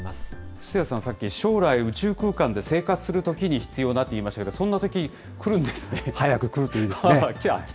布施谷さん、さっき、将来、宇宙空間で生活するときに必要なと言いましたけれども、そんなと早く来るといいですね。